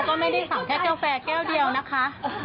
ไม่มีมารยาทเลยค่ะ